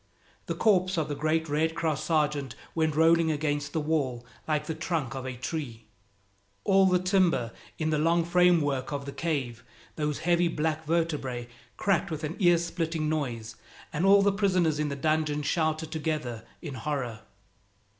The corpse of the great Red Cross sergeant went rolling against the wall like the trunk of a tree. All the timber in the long frame work of the cave, those heavy black vertebrae, cracked with an ear splitting noise, and all the prisoners in the dungeon shouted together in horror.